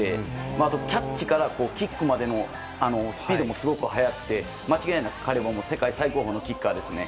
あとキャッチからキックまでのスピードもすごく速くて間違いなく彼は世界最高峰のキッカーですね。